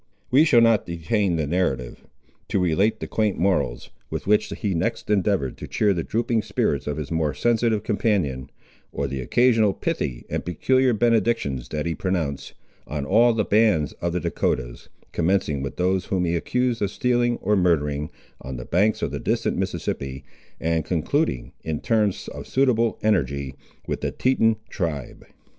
We shall not detain the narrative, to relate the quaint morals with which he next endeavoured to cheer the drooping spirits of his more sensitive companion, or the occasional pithy and peculiar benedictions that he pronounced, on all the bands of the Dahcotahs, commencing with those whom he accused of stealing or murdering, on the banks of the distant Mississippi, and concluding, in terms of suitable energy, with the Teton tribe.